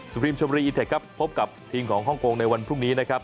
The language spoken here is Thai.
พรีมชมรีอีเทคครับพบกับทีมของฮ่องกงในวันพรุ่งนี้นะครับ